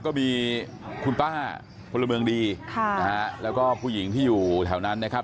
ก็มีคุณป้าพลเมืองดีค่ะนะฮะแล้วก็ผู้หญิงที่อยู่แถวนั้นนะครับ